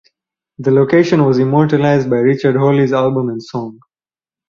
The location was immortalised by Richard Hawley's album and song.